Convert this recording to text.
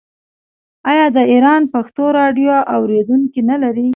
آیا د ایران پښتو راډیو اوریدونکي نلري؟